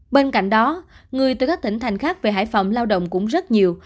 bên cạnh đó người từ các tỉnh thành khác về hải phòng lao động cũng rất nhiều